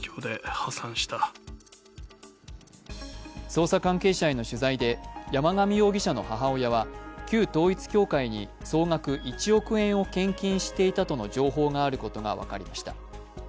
捜査関係者への取材で、山上容疑者の母親は、旧統一教会に総額１億円を献金していたとの情報があることが分かりました。